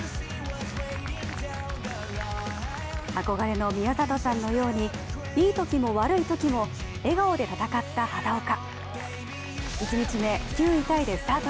憧れの宮里さんのように、いいときも悪いときも笑顔で戦った畑岡。